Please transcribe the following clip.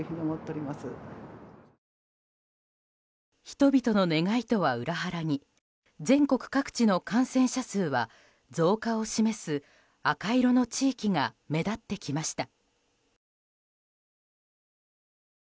人々の願いとは裏腹に全国各地の感染者数は増加を示す赤色の地域が目立ってきました。